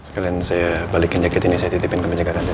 sekarang saya balikin jaket ini saya titipin ke penjaga kantin